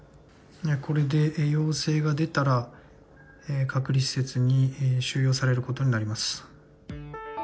これで陽性が出たら隔離施設に収容されることになります。